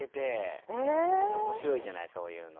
面白いじゃないそういうの。